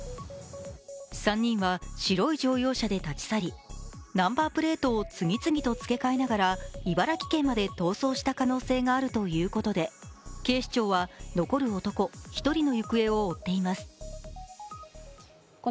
３人は白い乗用車で立ち去りナンバープレートを次々と付け替えながら茨城県まで逃走した可能性があるということで警視庁は残る男１人の行方を追っています。